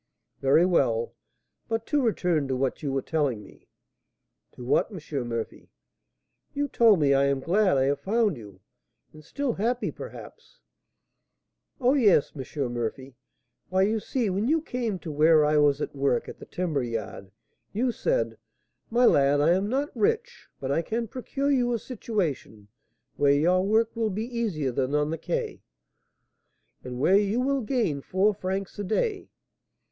"Very well. But to return to what you were telling me " "To what, M. Murphy?" "You told me, I am glad I have found you, and still happy, perhaps " "Oh, yes, M. Murphy! Why, you see, when you came to where I was at work at the timber yard, you said, 'My lad, I am not rich, but I can procure you a situation where your work will be easier than on the Quai, and where you will gain four francs a day.'